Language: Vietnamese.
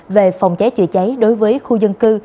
về phòng cháy chữa cháy đối với khu dân cư